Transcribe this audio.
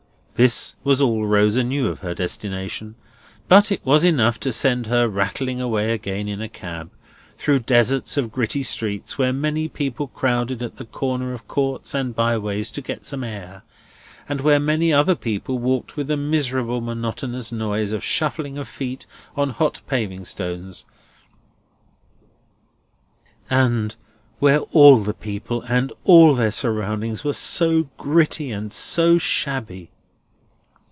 This was all Rosa knew of her destination; but it was enough to send her rattling away again in a cab, through deserts of gritty streets, where many people crowded at the corner of courts and byways to get some air, and where many other people walked with a miserably monotonous noise of shuffling of feet on hot paving stones, and where all the people and all their surroundings were so gritty and so shabby!